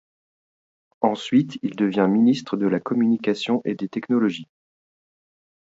Ensuite, il devient ministre de la Communication et des Technologies.